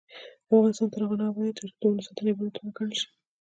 افغانستان تر هغو نه ابادیږي، ترڅو د ونو ساتنه عبادت ونه ګڼل شي.